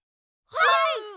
はい！